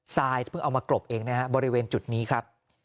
ทรายเพิ่งเอามากรบเองนะฮะบริเวณจุดนี้ครับ